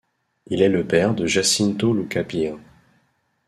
Il est le père de Jacinto Lucas Pires.